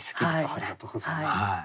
ありがとうございます。